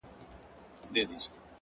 o د چا او چا ژوند كي خوښي راوړي،